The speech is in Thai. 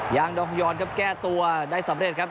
ยางดองยอนครับแก้ตัวได้สำเร็จครับ